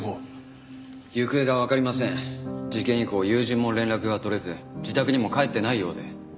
事件以降友人も連絡が取れず自宅にも帰ってないようで。